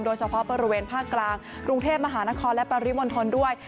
โดยเฉพาะบริเวณภาคกลางกรุงเทพมหานครและปริมณฑลด้วย